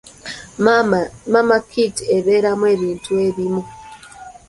Mama kit ebeeramu ebintu ebimu.